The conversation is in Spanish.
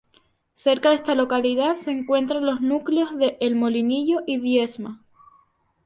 Cerca de esta localidad se encuentran los núcleos de El Molinillo y Diezma.